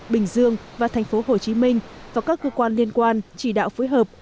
bình dương và thành phố hồ chí minh và các cơ quan liên quan chỉ đạo phối hợp